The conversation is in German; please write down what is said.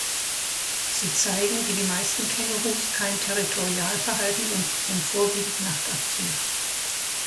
Sie zeigen wie die meisten Kängurus kein Territorialverhalten und sind vorwiegend nachtaktiv.